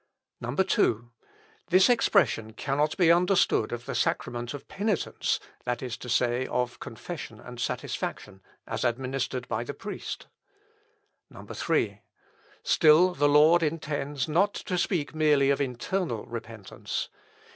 2. "This expression cannot be understood of the sacrament of penitence, (that is to say, of confession and satisfaction,) as administered by the priest. 3. "Still the Lord intends not to speak merely of internal repentance.